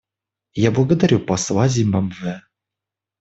Я благодарю посла Зимбабве.